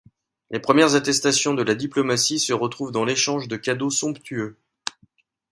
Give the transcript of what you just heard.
Les premières attestations de la diplomatie se retrouvent dans l'échange de cadeaux somptueux.